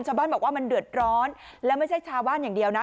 ชาวบ้านบอกว่ามันเดือดร้อนแล้วไม่ใช่ชาวบ้านอย่างเดียวนะ